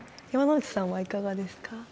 山之内さんはいかがですか